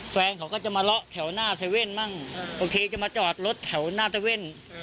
แฟนเขาก็จะมาเลาะแถวหน้าเว่นมั่งโอเคจะมาจอดรถแถวหน้าตะเว่น